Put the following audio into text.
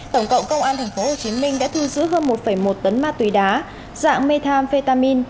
tổng cộng công an tp hcm đã thu giữ hơn một một tấn ma túy đá dạng methamphetamin